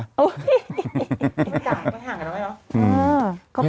ไม่จักเขาให้ห่างกันไหม